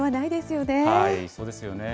そうですよね。